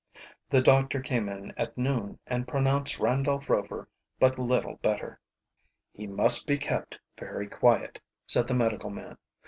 The doctor came in at noon, and pronounced Randolph Rover but little better. "He must be kept very quiet," said the medical man.